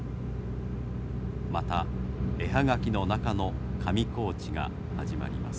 また絵葉書の中の上高地が始まります。